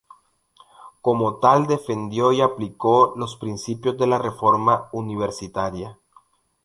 Como tal defendió y aplicó los principios de la Reforma Universitaria.